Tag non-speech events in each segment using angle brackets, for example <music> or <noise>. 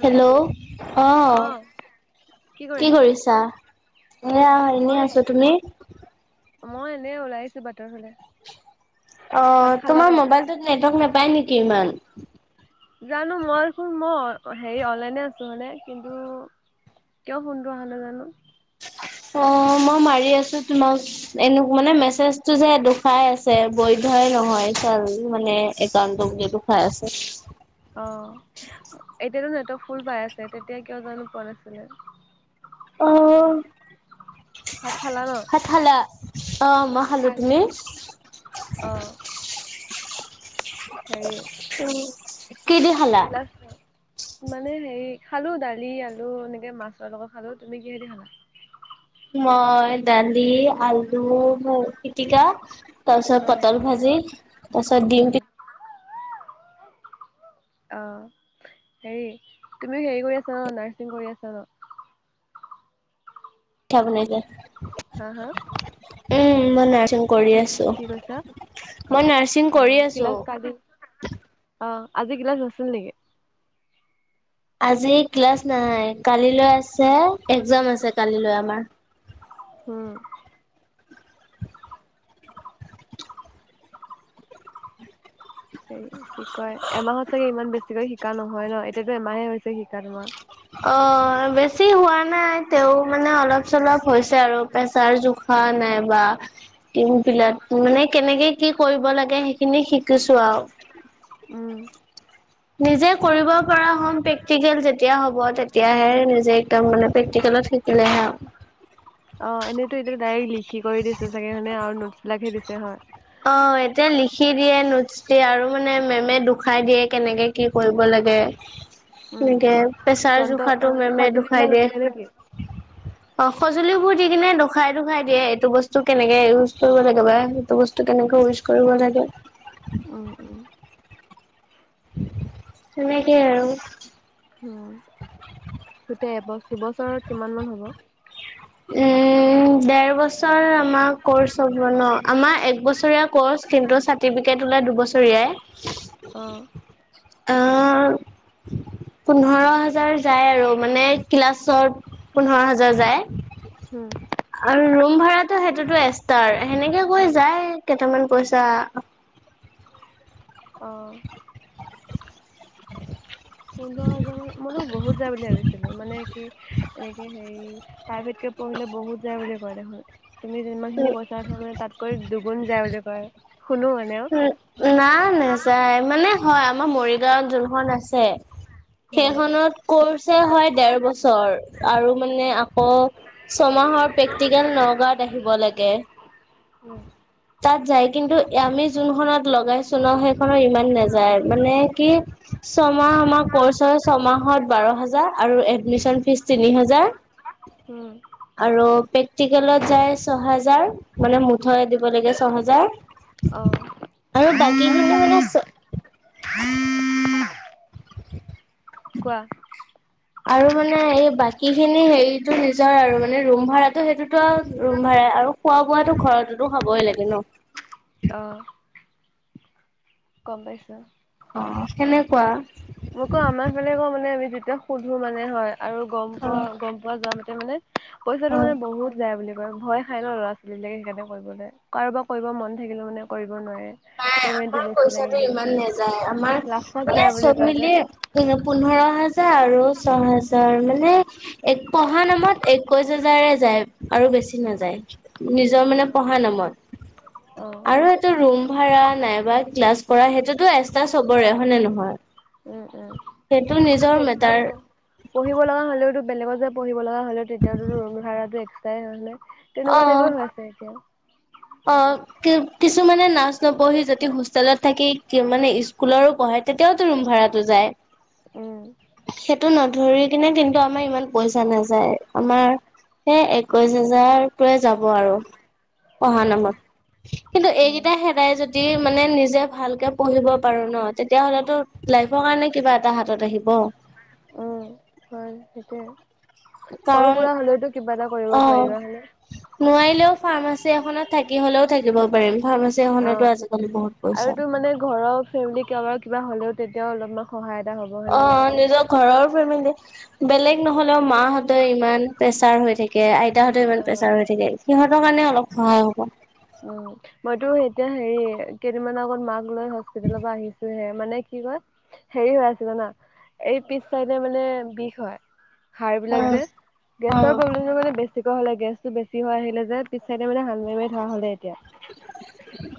Hello, অ, কৰি কি আছা? কৰিছা এ মই এনেই আছো তুমি। মই এনেই ওলাইছো বাকী অ, খালা তোমাৰ নে? মোবাইলটোত নেটৱৰ্ক নাপায় নেকি ইমান। জানো মই চোন মই হেৰি অনলাইনে আছো মানে কিন্তু কিয় গোন্ধ অহা নাজানো। অ, মই মাৰি আছো তোমাক এনে মানে মেছেজ টো যে দেখুৱাই আছে বৈ হয় নহয়। চাল মানে একাউন্তো যিহেটো খাই আছে। অ', এতিয়াতো সিহতক ফুল পাই আছে, তেতিয়া কিয় জানো পোৱা নাছিলে। অ', ভাত খালা ন? ভাত খালা? অহ, মই খালো তুমি। অ', হেৰি। কি দি খালা? কিলাচ মানে হেৰি খালো দালি আলু এনেকে মাছৰ লগত খালো তুমি কিহেদি খালা? মই দালি আলু ভ পিতিকা। তাৰ পিছত অ পটল ভাজি তাৰ পাছত উম ডিম অ, হেৰি তুমিও হেৰি কৰি আছা ন, নাৰ্ছিং কৰি আছা ন? পিঠা বনাইছে। হা- হা আছ কি কি কৈছা? মই নাৰছিং অ' কৰি আছো। ক্লাছ কালি অ' আজি ক্লাচ আছিল নেকি? আজি ক্লাছ নাই কালিলৈ আছে একজাম আছে কালিলৈ আমাৰ। উম সে কি কয় এমাহত চাগে ইমান বেছিকৈ শিকা নহয় ন। এতিয়াতো এমাহে হৈছে শিকা তোমাৰ। অ, বেছি হোৱা নাই, তেও মানে অলপ চলপ হৈছে আৰু প্ৰেছাৰ জোখ। হ নাই বা। টিম বিলাতো মানে কেনেকে কি কৰিব লাগে সেইখিনি শিকিছো আৰু। উম নিজে কৰিব পৰা হম, প্ৰেক্টিকেল যেতিয়া হ'ব তেতিয়াহে নিজে একম মানে প্ৰেটেল লত শিকিলে হা অ, এনেইতো এতিয়া ডাইৰেক্ট লিখি কৰি দিছে চাগে ন আৰু নোটছ বিলাকহে দিছে হয়। অ, এতিয়া লিখি দিয়ে নোটচ দিয়ে আৰু মানে মেমে দুখায় দিয়ে কেনেকে কি কৰিব লাগে। লাগে উম, এনেকে। পেছাৰ যন্ত্ৰ জোখাতো অ' মেমে দুখায় সঁজুলিবিলাক লৈ দিয়ে। আহে নেকি? অ, সজুলিবোৰ দি কিনে খাইতো - খাই দিয়ে এইটো বস্তু কেনেকে ইউজ কৰিব লাগে বা এইটো বস্তু কেনেকে ইউজ কৰিব লাগে। উম - উম। তেনেকেই আৰু। উম, গোটেই এবছ দুবছৰত কিমান মান হব। <inaudible> দেৰ বছৰ আমাৰ কৰ্চ হ'ব ন। আমাৰ এক বছৰীয়া কৰ্চ কিন্তু চাৰ্টিফিকেট দুবছৰীয়াই আহঁ। অহ পোন্ধৰ হাজাৰ যায় আৰু। মানে ক্লাছত পোন্ধৰ হাজাৰ যায়। উম, আৰু ৰুম ভড়াতটো সেইটোতো এষ্টাৰ। সেনেকে কৈ অ' যায় কেইটামান পইচা অহ পোন্ধৰ হাজাৰ মইতো বহুত যায় বুলি ভাবিছিলোঁ মানে এনেকে হেৰি প্ৰাইভেটকে পঢ়িলে বহুত যায় বুলি কয় দেখোন। তুমি যিমান খিনি কৈছা ত মানে তাতকৈ দুগুণ যায় বুলি কয়। শুনো মানে উম নাই নাযায়, মানে হয় আমাৰ মৰিগাঁওত কোনখন আছে, সেইখনত কৰ্চ হয় দেৰ বছৰ আৰু মানে ক ছয় মাহৰ প্ৰেক্টিকেল নগাঁৱত আহিব লাগে। তাত যায়। কিন্তু আমি কোনখনত লগাই ননহয় সেইখনো ইমান নেযায়। মানে, কি ছমাহ আমাৰ কচ ছয়মাহত বাৰহাজাৰ আৰু এডমিছন ফিছ, এডমিছিছ তিনি হাজাৰ আৰু প্ৰ প্ৰটিকেলত যায় ছয়হাজাৰ মানে মুঠ দিব লাগে ছয়হাজাৰ অঁ আৰু বাকীখিনি মানে চ কোৱা। আৰু মানে এই বাকী খিনি হেৰিতটো নিজৰ আৰু, মানে ৰুম ভাড়াতটো সেইটোতো আৰু ৰুম ভাড়া আৰু খোৱা বোৱাতো ঘৰতেতো খাবই লাগে ন। অঁ গম পাইছোঁ। অ তেনেকুৱা। মোকো আমাৰ ফালে ক মানে আমি যেতিয়া সুধো মানে হয় আৰু গম পোৱা গম পোৱা যাওঁ তে মানে পইচাটো মানে বহুত যায় বোলে ভয় খাই ন ল'ৰা ছোৱালী বিলাকে সেইকাৰণে কৰিবলৈ কাৰোবাৰ কৰিব মন থাকিলে মানে কৰিব ক'ব' নোৱাৰে নাই পেমেণ্ট আমাৰ টো বেছি লাগে পইচাটো ইমান নাযায় আমাৰ বোলে লাখত মানে যায় বুলি কয়। <unintelligible> যে পোন্ধৰ হাজাৰ আৰু ছয় হাজাৰ মানে এক পঢ়া নামত একৈশ হাজাৰ যায় যায় আৰু বেছি নাযায় নিজৰ মানে পঢ়া নামত অঁ আৰু এইটো ৰুম। ভাড়া নাইবা ক্লাছ কৰা, সেইটোতো এক্সট্ৰা চবৰে হয়নে নহয়? উম উম সেইটো নিজৰ এক্সট্ৰা মেটাৰ হ'ব পঢ়িব লগা হ'লেওতো। বেলেগত যে পঢ়িব লগা হ'লেও তেতিয়াতো ৰুম ভাড়াটো এক্সট্ৰাই হয়। নাই তেনেকুৱা অ টাইপৰে হৈ আছে এতিয়াও। অ কি কিছুমানে নাৰ্ছ নপঢ়ি যদি হোষ্টেলত থাকি মানে স্কুলৰো পঢ়া, তেতিয়াও তো ৰুম ভাড়াতো যায় উম। ধৰি কিনে কিন্তু আমাৰ ইমান পইচা নাযায় আমাৰ। সেই একৈশ হাজাৰটোৱে যাব আৰু। পঢ়া অঁ নম্বৰ কিন্তু উম এইকেইটা হেৰাই যদি। মানে নিজে ভালকে পঢ়িব পাৰো ন, তেতিয়া হলেতো লাইফৰ কাৰণে কিবা এটা হাতত আহিব। তাকে কাৰণ, অ পাৰিবা হয়নে নোৱাৰিলেও ফাৰ্মাচী এখনত থাকিব। শিকি হ'লেও থাকিব পাৰিম। ফাৰ্মাচী এখনতো আজিকালি বহুত অহ আৰু পইচা তোৰ মানে ঘৰৰ ফেমিলি কাৰবাৰ কিবা হ'লেও তেতিয়াও অলপমান সহায়। এটা হ'ব অ হয়নে নাই নিজৰ ঘৰৰ ফেমিলি। বেলেগ নহলেও মাহঁতে ইমান প্ৰেছাৰ হৈ থাকে আইতাহঁতেও ইমান অঁ প্ৰেছাৰ হৈ থাকে। সিহঁতৰ কাৰণে অলপ সহায় হ'ব। উম মইতো এতিয়া হেৰি কেইদিনমানৰ আগত মাক লৈ হস্পিতেলৰ পৰা আহিছোঁ হে। মানে কি কয় হেৰি হৈ আছিল ন, এই পিচ চাইড মানে বিষ হয়। সাৰ অ বিলাক যে অ গেছৰ প্ৰব্লেম মানে বেছি। ৰাতিপুৱা হ'লে গেছটো বেছি হৈ আহিলে। যে পিছচাই দে মানে হাল মাৰি মাৰি ধৰা হ'ল এতিয়া।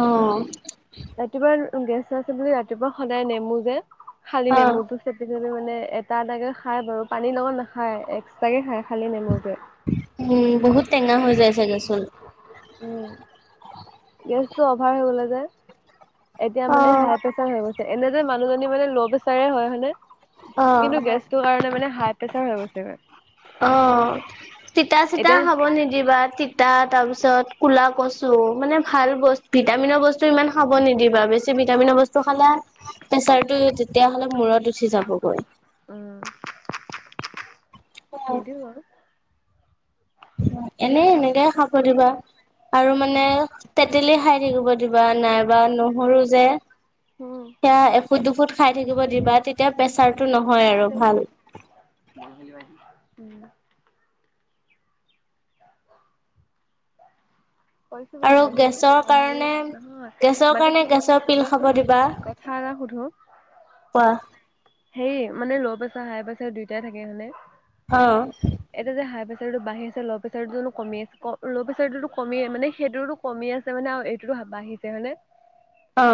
অহ ৰাতিপুৱা গেছ আছে বুলি ৰাতিপুৱা সদায় নেমু যে খালি অ নেমুটো চেপি দিওঁ। সি মানে এটা-এটাকে খাই বাৰু, পানী লগত নাখায় এক্সট্ৰাকে খাই খালি নেমুটোৱে। উম, বহুত টেঙা হৈ যায় চাগে চল উম। গেছ টো অভাৰ হৈ গলে যে এতিয়া অ মানে হাৰ প্ৰেচাৰ হৈ গৈছে। এনে যে মানুহজনী মানে ল' প্ৰেচাৰ হয়, হয়নে অ কিন্তু গেছটো কাৰণে মানে হাই প্ৰেছাৰ হৈ গৈছে, গৈ তিতা-চিতা খাব নিদিবা, তি তাৰ তাৰ পিছত কুলা কচু মানে ভাল বস্তু ভিটামিনৰ বস্তু ইমান খাব নিদিবা বেছি ভিটামিন বস্তু খালে প্ৰেচাৰটো তেতিয়া মানে মূৰত উঠি যাবগৈ উম, নিদো অ এনে এনেকে খাব দিবা আৰু মানে উম তেতেলী খাই থাকিব। কিবা নাইবা নহৰু যে উম সেয়া এফুট, দুফুট খাই থাকিব দিবা, তেতিয়া প্ৰেচাৰটো নহয় আৰু ভাল। উম কৈছো বাৰু আৰু নহৰু গেছৰ নহৰু, কাৰণে নহয় গেছৰ মানে কাৰণে কি কয় গেছৰ পিল খাব কবাচোন। দিবা কথা এটা শুধু? সুধো। কোৱা? এই মানে ল' প্ৰেচাৰ, হাই প্ৰেছাৰ দুয়োটাই থাকে মানে অ। তোৰ এইটো বাঢ়িছে, ল' প্ৰেছাৰ নো কমি আছে, ল' প্ৰেছাৰ তো কমিয়ে মানে সেইটোতো কমি আছে মানে আও এইটো বাঢ়িছে হয়নে? অ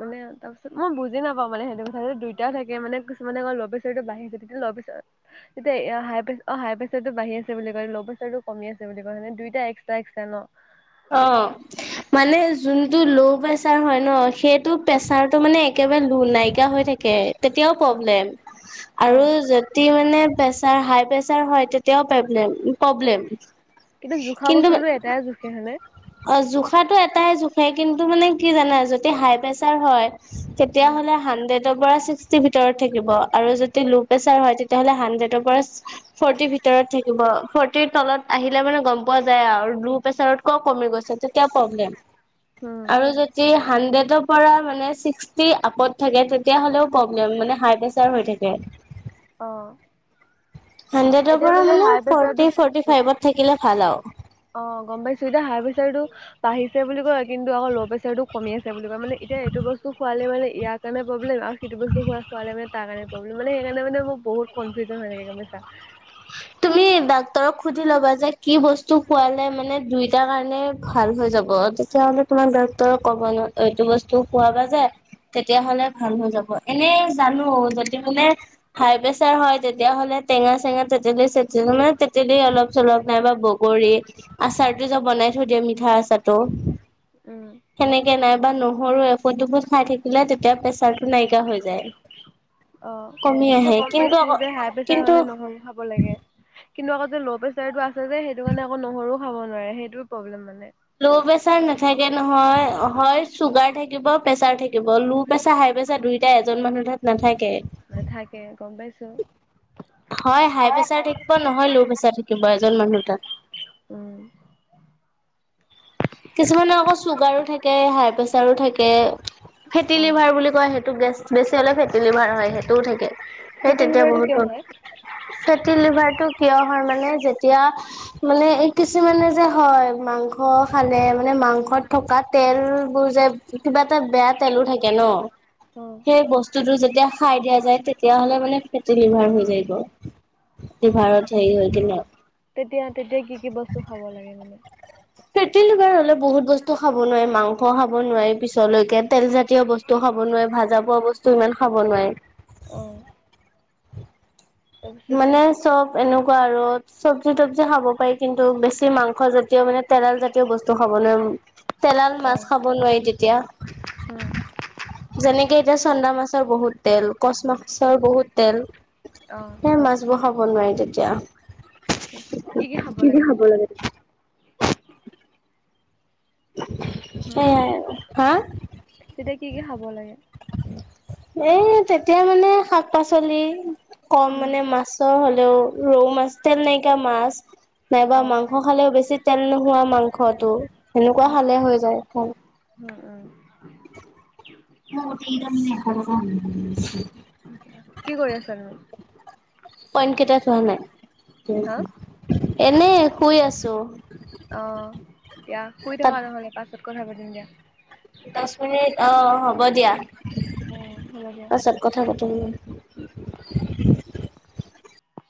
মানে তাৰ পিছত মই বুজি নাপাওঁ মানে সেইটো কথা যে দুইটা থাকে মানে কিছুমানে ল'প্ৰেচাৰটো বাঢ়ে ল তাৰপিছত, অ হাই প্ৰেছাৰ টো বাঢ়ি আছে বুলি কয়, ল' প্ৰেচাৰ টো কমি আছে বুলি কয়, মানে দুইটাই একস্টা-এক্সট্ৰা ন অ, মানে যোনটো ল' প্ৰেচাৰ হয় ন, সেইটো প্ৰেছাৰটো মানে একে একেবাৰে লো নাইকিয়া হৈ থাকে। তেতিয়াও প্ৰব্লেম অ আৰু যেতিয়া মানে। প্ৰেচাৰ হাই প্ৰেছাৰ হয় তেতিয়াও প্ৰেব্লেম প্ৰব্লেম। কিন্তু জোখা কিন্তু বস্তুতটোতো এটাই জোখে হয় নে অ, জোখাতটো এটাই জোখে, কিন্তু মানে কি জানা যেতিয়া হাই প্ৰেচাৰ হয় তেতিয়া হ'লে হানড্ৰেড তৰ পৰা ছিক্সটি ভিতৰত থাকিব আৰু যদি ল' প্ৰেচাৰ হয় তেতিয়াহ'লে হানড্ৰেডৰ পৰা ফৰ্টি ফি। তেৰত থাকিব ফৰ্টিৰ তলত আহিলে মানে গম পোৱা যায় আৱ। লো প্ৰেচাৰত কওক কমি গৈছে, তেতিয়া প্ৰব্লেম্। উম আৰু যদি হাণ্ড্ৰেডৰ পৰা মানে ছিক্সটি আপত থাকে তেতিয়া হ'লেও প্ৰব্লেম মানে হাই প্ৰেচাৰ হৈ থাকে। অ হানড্ৰেডৰ এতিয়া পৰা মানে হাই ফটি, প্ৰেচাৰটোত ফৰ্টি ফাইভত থাকিলে। ফাল আৱ। অ, গম পাইছো এতিয়া হাই প্ৰেচাৰ টো বাঢ়িছে বুলি কয়, কিন্তু আকৌ ল' প্ৰেচাৰ টো কমি আছে বুলি কয়, মানে এতিয়া এইটো বস্তু খোৱালে মানে ইয়াৰ কাৰণে প্ৰব্লেম আও সেইটো বস্তু খুৱা খুৱালে মানে তাৰ কাৰণে প্ৰব্লেম। মানে সেইকাৰণে মানে মোৰ। বহুত কনফিউজন হয় এনেকে গম পাইছা। তুমি ডাক্তৰক সুধি ল'বা যে কি বস্তু খোৱালে মানে দুইটাৰ কাৰণে ভাল হৈ যাব। তেতিয়া হ'লে তোমাৰ ডক্টৰৰ কব, এইটো বস্তু খোৱাব যায় তেতিয়া হলে ভাল হৈ যাব। এনে জানো যদি বোলে হাই প্ৰেছাৰ হয়। তেতিয়াহ'লে টেঙা চেঙা তেতেলি চ মানে তেতেলি অলপ চলপ নাইবা বগৰী আচাৰতো যে বনাই থৈ দিয়ে মিঠা আচাৰ। তাৰ পাছতো উম সেনেকে নাই বা নহৰু এফুট, দুফুট খাই থাকিলে তেতিয়া প্ৰেচাৰটো নাইকিয়া হৈ যায়। অ কমি সেইটো মই আহে গম কিন্তু পাইছো যে হাই প্ৰেচাৰ কিন্তু হলে নহল ব লাগে। কিন্তু আকৌ যে ল' প্ৰেচাৰটো আছে যে সেইটো কাৰণে আকৌ নহৰুও খাব নোৱাৰে, সেইটো প্ৰব্লেম মানে। ল' প্ৰেচাৰ নাথাকে নহয়, হয় চুগাৰ থাকিব, প্ৰেছাৰ থাকিব, ল' প্ৰেচাৰ হাই ত পছত দুইটা এজন মানুহ তাত নাথাকে। নাথাকে। গম পাইছো হয়, হাই প্ৰেছাৰ থাকিব, নহয় ল' প্ৰেচাৰ থাকিব এজন মানুহ তাত উম। কিছুমানে আকৌ চুগাৰো থাকে হাই প্ৰেচাৰো থাকে ফেটি অ লিভাৰ বুলি কয় সেইটো গেছ বেছি হলে ফেটি লিভাৰ হয়। সেইটোও থাকে সেই ফেটি তেতিয়া লিভাৰটো বহুত। কিয় হয়। চেত। টো লিভাৰটো কিয় হয় মানে, যেতিয়া মানে কিছুমানে যে, হয় মাংস মাংস খালে, মানে মাংসত থকা তেলবোৰ যে কিবা এটা বেয়া তেলো থাকে ন অ সেই বস্তুটো যেতিয়া খাই দিয়া যায়, তেতিয়া তেতিয়া হ'লে মানে ফেটি লিভাৰ হৈ যায় গৈ, অ লিভাৰত হেৰি হয় যে ন তেতিয়া তেতিয়া কি কি বস্তু খাব লাগে মানে ফেটি লিভাৰ হলে বহুত বস্তু খাব নোৱাৰে। মাংস খাব নোৱাৰে পিছলৈকে। তেলজাতীয় বস্তু খাব মকোনোৱে ভাজা, পুৰা বস্তু ইমান খাব নোৱাৰে। অহ মানে চব এনেকোৱা আৰু চব্জি তবজি খাব পাৰি কিন্তু বেছি মাংস জাতীয় মানে তেৰাল জাতীয় বস্তু। খাব নোৱাৰি, তেলাল অ মাছ খাব নোৱাৰি উম তেতিয়া যেনেকে এতিয়া চন্দা মাছৰ বহুত তেল কচ মাছৰ বহুত তেল অ সেই মাছবোৰ খাব নোৱাৰি তেতিয়া কি কি খাব লাগে তেতিয়া? হুম অ হা কি-কি খাব লাগে? এই তেতিয়া মানে শাক পাচলি কম উম মানে মাছৰ হ'লে। ৰৌ মাছ তেল নাইকিয়া মাছ নাইবা অ মাংস খালেও বেছি তেল নোহোৱা মাংস ঘতো সেনেকোৱা হলে হৈ যায় উম-উম উম <unintelligible> কি কৰি আছা তুমি? পইণ্ট কেইটা থোৱা নাই হা এনে শুই আছো অ, দিয়া শুই থকা নহ'লে পাছত কথা পাতিম দিয়া। দচ মিনিট। অ হ'ব দিয়া। উম হ'ব দিয়া। পাছত কথা পাতুং।